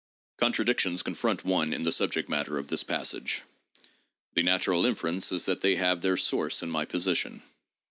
Contradictions confront one in the subject matter of this passage— the natural inference is that they have their source in my position.